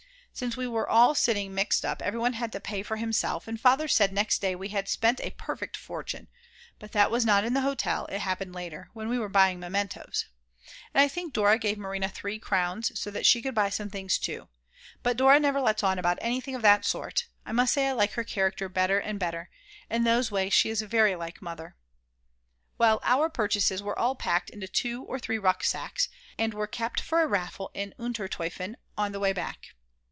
_ Since we were sitting all mixed up everyone had to pay for himself, and Father said next day we had spent a perfect fortune; but that was not in the hotel, it happened later, when we were buying mementoes. And I think Dora gave Marina 3 crowns, so that she could buy some things too. But Dora never lets on about anything of that sort. I must say I like her character better and better; in those ways she is very like Mother. Well, our purchases were all packed into two or three rucksacks, and were kept for a raffle in Unter Toifen on the way back.